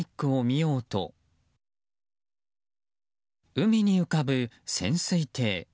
海に浮かぶ潜水艇。